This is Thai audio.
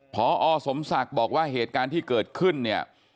พอสมศักดิ์บอกว่าเหตุการณ์ที่เกิดขึ้นเนี่ย